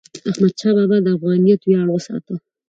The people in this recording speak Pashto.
احمدشاه بابا د افغانیت ویاړ وساته.